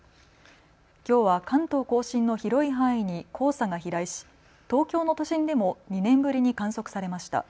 きょうは関東甲信の広い範囲に黄砂が飛来し、東京の都心でも２年ぶりに観測されました。